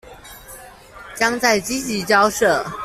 將再積極交涉